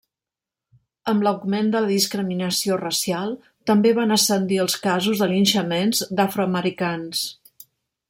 Amb l'augment de la discriminació racial, també van ascendir els casos de linxaments d'afroamericans.